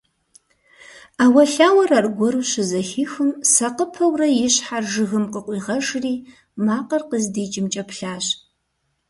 Ӏэуэлъауэр аргуэру щызэхихым, сакъыпэурэ и щхьэр жыгым къыкъуигъэжри макъыр къыздикӏымкӏэ плъащ.